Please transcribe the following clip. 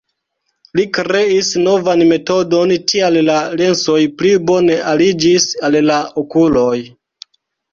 Li kreis novan metodon, tial la lensoj pli bone aliĝis al la okuloj.